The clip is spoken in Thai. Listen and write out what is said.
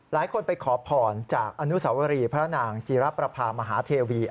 หลายคนไปขอพรจากอนุสาวรีพระนางจีรประพามหาเทวี